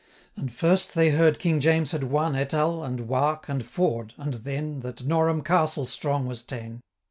And, first, they heard King James had won 1000 Etall, and Wark, and Ford; and then, That Norham Castle strong was ta'en.